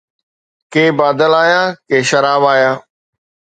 ڪي بادل آيا، ڪي شراب آيا